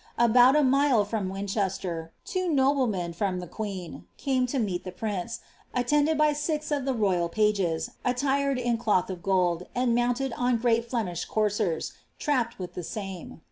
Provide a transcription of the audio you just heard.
^ About a mde from Winchester, tvo noblemen, from the queen, came to meet the prince, attended by six of the royal pages, attired in cloth of gold, and mounted on great Flenusb coursers, trapped with the same.